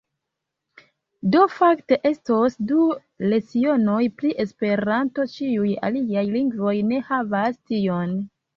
Do fakte estos du lecionoj pri esperanto ĉiuj aliaj lingvoj ne havas tion.